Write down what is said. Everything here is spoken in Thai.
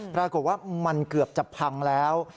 ปรากฏว่ามันเกือบจะพังแล้ว